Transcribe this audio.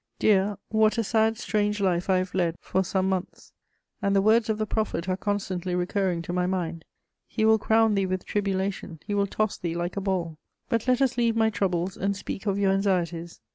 Dear, what a sad, strange life I have led for some months! And the words of the prophet are constantly recurring to my mind: 'He will crown thee with tribulation, he will toss thee like a ball.' But let us leave my troubles and speak of your anxieties.